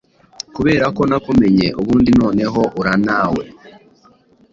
Kuberako nakumenye ubundi noneho uraa nawe